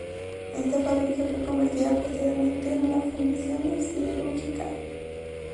Esta fábrica fue convertida posteriormente en una fundición siderúrgica.